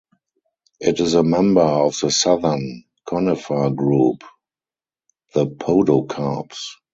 It is a member of the southern conifer group, the podocarps.